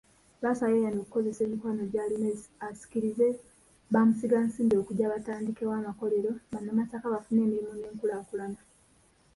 Lwasa yeeyamye okukozesa emikwano gy'alina asikirize Bamusigansimbi okujja batandikewo amakolero bannamasaka bafune emirimu n'enkulaakulana.